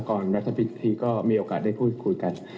รัฐพิธีก็มีโอกาสได้พูดคุยกัน